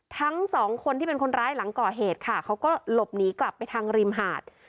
ทั้งสองคนที่เป็นคนร้ายหลังก่อเหตุค่ะเขาก็หลบหนีกลับไปทางริมหาด